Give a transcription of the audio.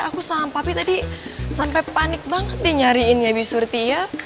aku sampah tapi tadi sampai panik banget di nyariinnya bishurti ya